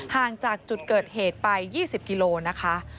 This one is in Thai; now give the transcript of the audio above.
ห่างจากจุดเกิดเหตุไป๒๐กิโลนะคะ